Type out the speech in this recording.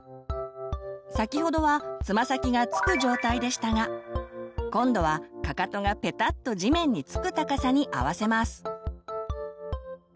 先ほどはつま先が着く状態でしたが今度はかかとがペタッと地面に着く高さに合わせます。